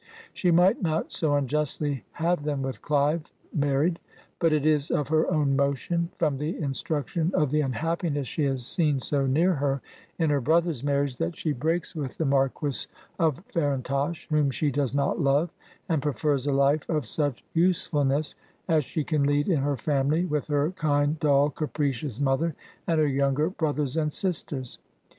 She might not so unjustly have them with Clive mar ried ; but it is of her own motion, from the instruction of the unhappiness she has seen so near her in her brother's marriage, that she breaks with the Marquis of Farintosh whom she does not love, and prefers a life of such usefulness as she can lead in her family, with her kind, dull, capricious mother and her younger brothers and sisters.